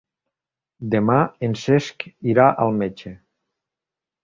Demà en Cesc irà al metge.